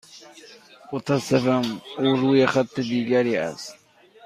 متاسفم، او روی خط دیگری است.